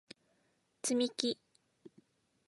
つみき